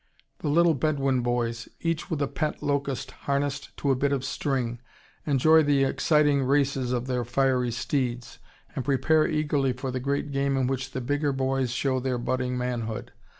The little Bedouin boys, each with a pet locust harnessed to a bit of string, enjoy the exciting races of their "fiery steeds," and prepare eagerly for the great game in which the bigger boys show their budding manhood.